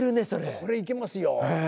これ行けますよ。